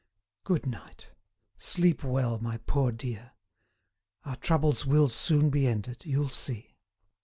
Good night; sleep well, my poor dear. Our troubles will soon be ended, you'll see."